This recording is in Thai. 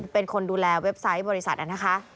เป็นคนดูแลเว็บไซต์บริษัทนะคะ